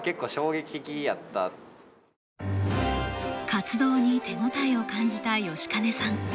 活動に手応えを感じた吉金さん。